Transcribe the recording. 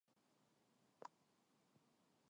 모든 국민은 근로의 의무를 진다.